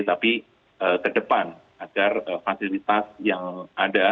tapi ke depan agar fasilitas yang ada